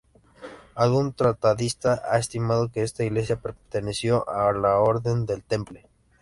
Algún tratadista ha estimado que esta Iglesia perteneció a la Orden del Temple.